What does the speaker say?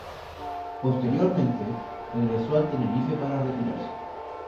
Posteriormente regresó al Tenerife para retirarse.